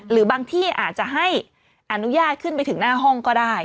หรือบางที่อาจจะให้อนุญาตขึ้นไปถึงหน้าห้องก็ได้